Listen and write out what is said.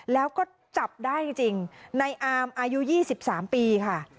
แล้วก็จับได้จริงในอามอายุ๒๓ปีค่ะ